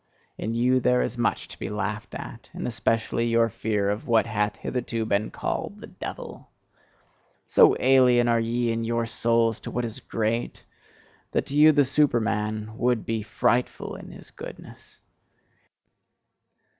In you there is much to be laughed at, and especially your fear of what hath hitherto been called "the devil!" So alien are ye in your souls to what is great, that to you the Superman would be FRIGHTFUL in his goodness!